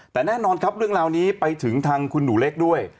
แต่แน่นอนครับเรื่องราวนี้ไปถึงทางคุณหนูเล็กด้วย